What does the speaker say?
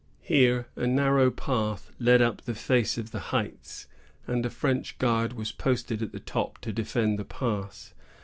Here a narrow path led up the face of the heights, and a French guard was posted at the top to defend the pass.